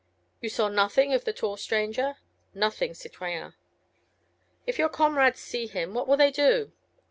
"You saw nothing of the tall stranger?" "Nothing, citoyen." "If your comrades see him, what would they do?"